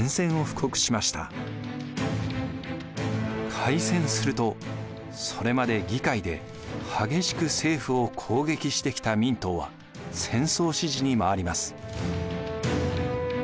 開戦するとそれまで議会で激しく政府を攻撃してきた民党は戦争支持に回ります。